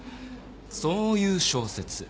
そういう小説。